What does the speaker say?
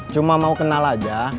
cuma mau kenal aja